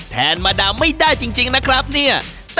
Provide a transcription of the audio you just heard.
แทนมาดามไม่ได้จริงนะครับเนี่ย